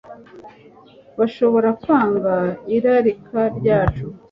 bashobora kwanga irarika ryacu,